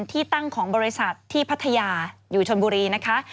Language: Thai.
ที่ตั้งของบริษัทที่พัทยาอยู่ชนบุรีนะคะ